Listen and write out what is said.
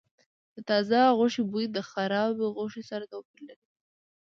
د تازه غوښې بوی د خرابې غوښې سره توپیر لري.